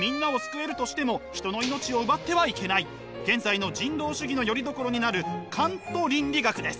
だからたとえ現在の人道主義のよりどころになるカント倫理学です。